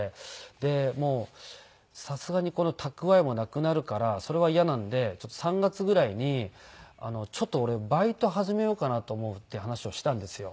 でもうさすがに蓄えもなくなるからそれは嫌なんで３月ぐらいに「ちょっと俺バイト始めようかなと思う」っていう話をしたんですよ。